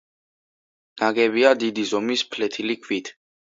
ნაგებია დიდი ზომის ფლეთილი ქვით.